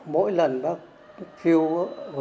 mỗi lần bác phiêu vào